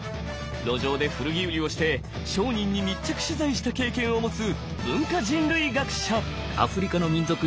路上で古着売りをして商人に密着取材した経験を持つ文化人類学者！